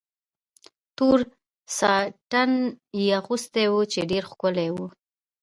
تور ساټن یې اغوستی و، چې ډېر ښکلی و.